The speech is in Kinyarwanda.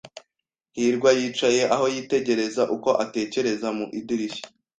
hirwa yicaye aho, yitegereza uko atekereza mu idirishya.